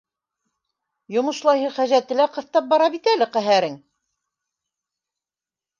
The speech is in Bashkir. Йомошлайһы хәжәте лә ҡыҫтап бара бит әле ҡәһәрең!..